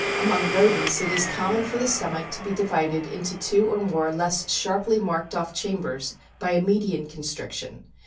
* Amono rodents it is common for the o stomach to be divided into two more or less sharply marked off chambers by a median constriction.